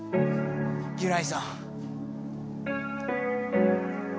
ギュナイさん。